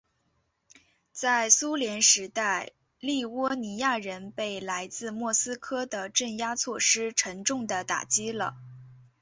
在苏联时代立窝尼亚人被来自莫斯科的镇压措施沉重地打击了。